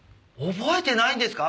覚えてないんですか？